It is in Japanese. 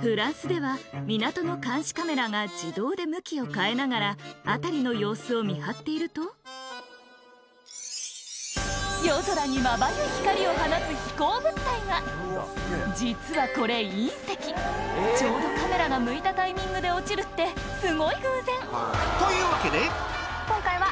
フランスでは港の監視カメラが自動で向きを変えながら辺りの様子を見張っていると夜空にまばゆい光を放つ飛行物体が実はこれちょうどカメラが向いたタイミングで落ちるってすごい偶然！というわけで今回は。